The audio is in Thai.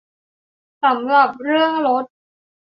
สำหรับเรื่องลด